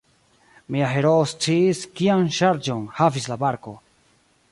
Mia heroo sciis, kian ŝarĝon havis la barko.